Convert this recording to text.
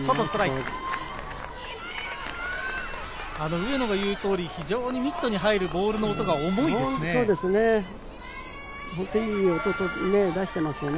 上野が言う通り、非常にミットに入るボールの音が重いですよね。